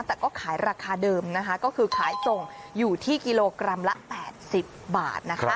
แต่ก็ขายราคาเดิมนะคะก็คือขายส่งอยู่ที่กิโลกรัมละ๘๐บาทนะคะ